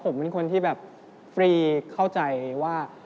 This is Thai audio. ผมเป็นคนที่แบบฟรีเข้าใจว่า